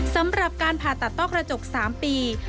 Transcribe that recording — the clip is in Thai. สำหรับการผ่าตัดต้อกระจก๓ปี